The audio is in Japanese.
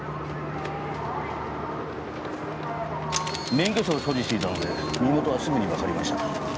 免許証を所持していたので身元はすぐにわかりました。